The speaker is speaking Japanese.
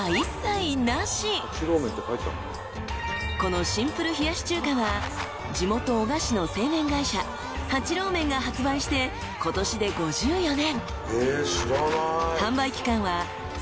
［このシンプル冷やし中華は地元男鹿市の製麺会社八郎めんが発売して今年で５４年］